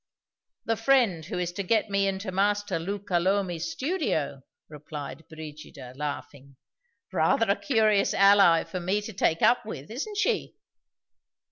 "The friend who is to get me into Master Luca Lomi's studio," replied Brigida, laughing. "Rather a curious ally for me to take up with, isn't she?"